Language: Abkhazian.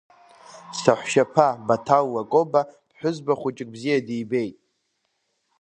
Саҳәшьаԥа Баҭал Лакоба ԥҳәызба хәыҷык бзиа дибеит.